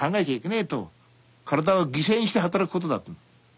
体を犠牲にして働くことだと。